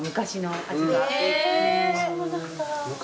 へえそうなんだ。